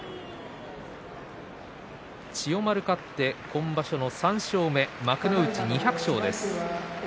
千代丸、勝って今場所の３勝目幕内２００勝です。